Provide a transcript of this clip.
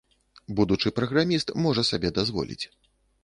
Будучы праграміст можа сабе дазволіць.